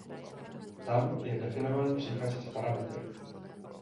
Tam je definován příkaz s parametry.